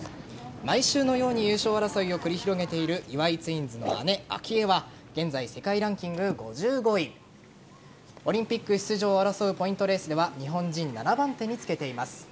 毎週のように優勝争いを繰り広げている岩井ツインズの姉・明愛は現在世界ランキング５５位。オリンピック出場を争うポイントレースでは日本人７番手につけています。